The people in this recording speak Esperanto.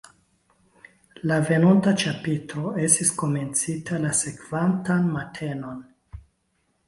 La venonta ĉapitro estis komencita la sekvantan matenon.